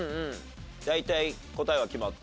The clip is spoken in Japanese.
大体答えは決まった？